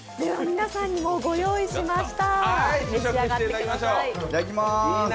皆さんにもご用意しました。